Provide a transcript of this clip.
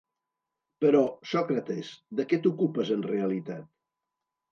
Però, Sòcrates, de què t'ocupes en realitat?